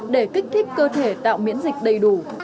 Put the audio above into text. để kích thích cơ thể tạo miễn dịch đầy đủ